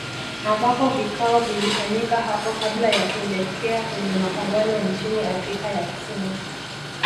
Ambapo vikao vilifanyika hapo kabla ya kuelekea kwenye mapambano nchini Afrika ya Kusini